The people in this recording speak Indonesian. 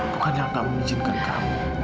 bukannya aku gak meminjinkan kamu